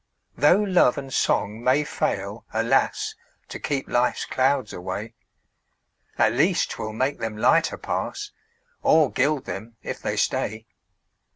Tho' love and song may fail, alas! To keep life's clouds away, At least 'twill make them lighter pass, Or gild them if they stay.